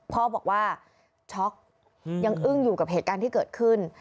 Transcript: พ่อบอกว่าช็อกยังอึ้งอยู่กับเหตุการณ์ที่เกิดขึ้น